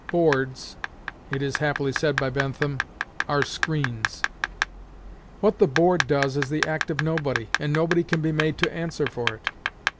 "Boards," it is happily said by Bentham, "are screens." What "the Board" does is the act of nobody, and nobody can be made to answer for it.